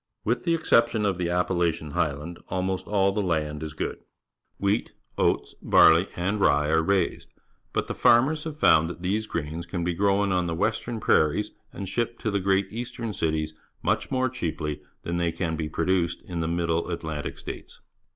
With the exception of the Appalachian Highland; almost all the land is good. \\Tipf^tr " fits, barley, and r ye are raised, but the farmers have found that these grains can be grown on the western prairies and shipped to the great eastern cities much more cheaply than they can be produced in the ]\Iiddle Atlantic States.